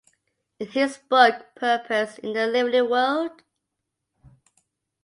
In his book Purpose in the Living World?